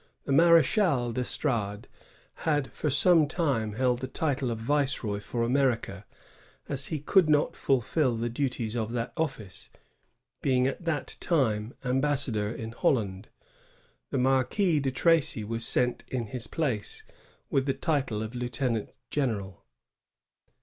The Mar^chal d'Elstrades had for some time held the title of viceroy for America; and as he could not fulfil the duties of that ofiSce, being at the time ambassador in Holland, the Marquis de Tracj was sent in his place, with the title of lieutenant general.